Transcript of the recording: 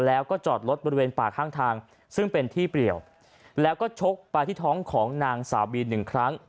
แล้วก็จอดรถบริเวณป่าข้างทางซึ่งเป็นที่เปรียวแล้วก็ชกไปที่ท้องของนางสาวบีหนึ่งครั้ง